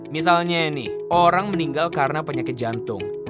misalnya nih orang meninggal karena penyakit jantung